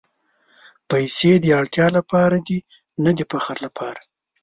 پېسې د اړتیا لپاره دي، نه د فخر لپاره.